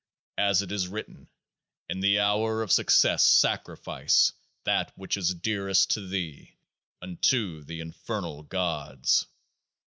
As it is written : In the hour of success sacrifice that which is dearest to thee unto the Infernal Gods